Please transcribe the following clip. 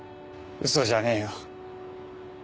嘘じゃねえよ。